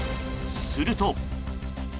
すると。